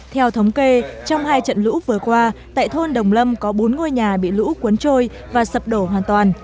theo thống kê trong hai trận lũ vừa qua tại thôn đồng lâm có bốn ngôi nhà bị lũ cuốn trôi và sập đổ hoàn toàn